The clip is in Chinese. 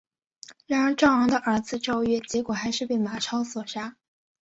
然而赵昂的儿子赵月结果还是被马超所杀。